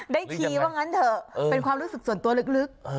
ทีว่างั้นเถอะเป็นความรู้สึกส่วนตัวลึก